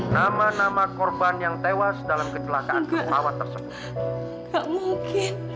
nama nama korban yang tewas dalam kecelakaan pesawat tersebut